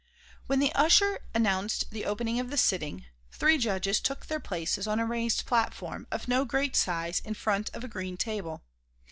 When the usher announced the opening of the sitting, three judges took their places on a raised platform of no great size in front of a green table.